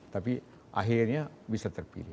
tapi akhirnya bisa terpilih